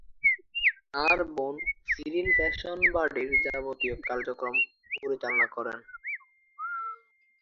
তার বোন সিরিল ফ্যাশন-বাড়ির যাবতীয় কার্যক্রম পরিচালনা করেন।